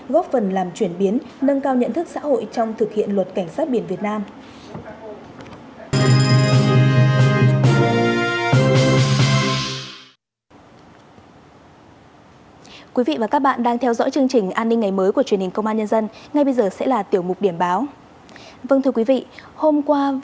góp phần làm chuyển biến nâng cao nhận thức xã hội trong thực hiện luật cảnh sát biển việt nam